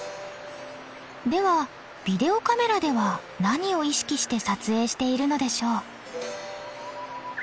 ではビデオカメラでは何を意識して撮影しているのでしょう？